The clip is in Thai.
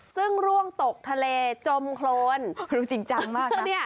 ซึ่งร่วงตกทะเลจมโครนคือจริงจังมากนะ